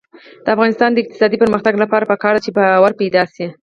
د افغانستان د اقتصادي پرمختګ لپاره پکار ده چې باور پیدا شي.